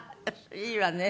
いいわね。